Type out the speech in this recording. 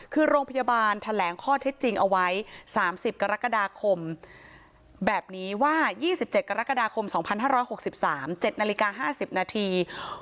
คือโรงพยาบาลแถลงข้อเท็จจริงเอาไว้๓๐กรกฎาคมแบบนี้ว่า๒๗กรกฎาคม๒๕๖๓๗นาฬิกา๕๐นาที